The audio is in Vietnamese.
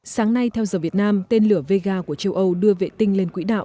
sáng nay theo giờ việt nam tên lửa vega của châu âu đưa vệ tinh lên quỹ đạo